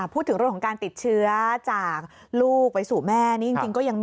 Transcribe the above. พูดถึงเรื่องของการติดเชื้อจากลูกไปสู่แม่นี่จริงก็ยังมี